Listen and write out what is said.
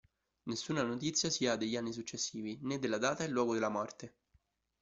Nessuna notizia si ha degli anni successivi, né della data e luogo della morte.